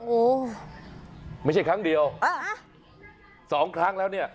โอ้โหไม่ใช่ครั้งเดียวเออสองครั้งแล้วเนี่ย